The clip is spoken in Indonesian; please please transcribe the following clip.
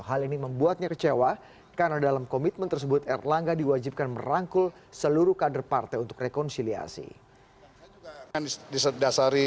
hal ini membuatnya kecewa karena dalam komitmen tersebut erlangga diwajibkan merangkul seluruh kader partai untuk rekonsiliasi